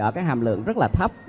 ở cái hàm lượng rất là thấp